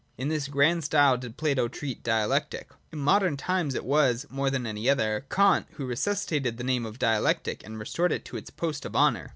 In this grand style did Plato treat Dialectic. In modern times it was, more than any other, Kant who re suscitated the name of Dialectic, and restored it to its post of honour.